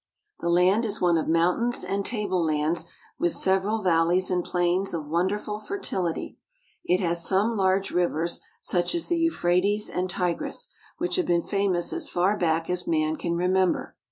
The land is one of mountains and table lands with several val leys and plains of won derful fertility. It has some large rivers such as the Euphrates and Tigris, which have been famous as far back as man can remember.